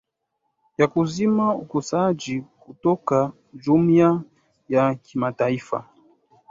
ya kuzima ukosoaji kutoka jumuiya ya kimataifa